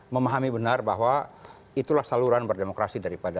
memahami benar bahwa itulah saluran berdemokrasi daripada